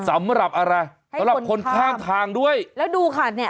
สำหรับอะไรสำหรับคนข้างทางด้วยแล้วดูค่ะเนี่ย